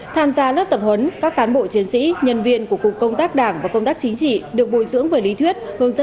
tham gia lớp tập huấn các cán bộ chiến sĩ nhân viên của cục công tác đảng và công tác chính trị được bồi dưỡng về lý thuyết hướng dẫn